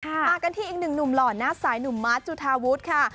มากันที่อีกหนึ่งหนุ่มหล่อหน้าสายหนุ่มมาสจุธาวุฒิค่ะ